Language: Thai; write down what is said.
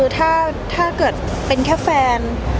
ถ้าเกิดเป็นแค่แฟน